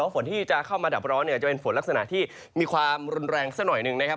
ฝนที่จะเข้ามาดับร้อนเนี่ยจะเป็นฝนลักษณะที่มีความรุนแรงสักหน่อยหนึ่งนะครับ